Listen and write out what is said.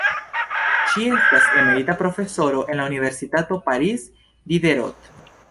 Ŝi estas emerita profesoro en la Universitato Paris Diderot.